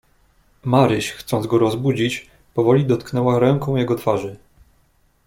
"Maryś chcąc go rozbudzić, powoli dotknęła ręką jego twarzy."